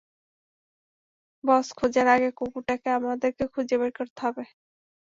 বস খোঁজার আগে কুকুরটাকে আমাদের খুঁজে বের করতে হবে।